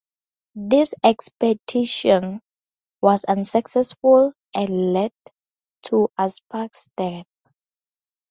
This expedition was unsuccessful and led to Uspak's death.